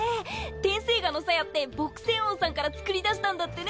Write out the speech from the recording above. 天生牙の鞘って朴仙翁さんから作り出したんだってね。